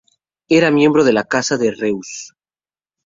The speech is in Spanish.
Era miembro de la Casa de Reuss.